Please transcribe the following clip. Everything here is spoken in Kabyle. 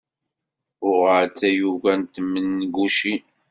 Uɣeɣ-d tayuga n tmengucin.